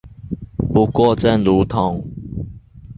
不過正如同